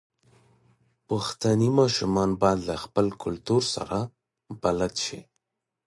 پښتني ماشومان بايد له خپل کلتور سره بلد شي.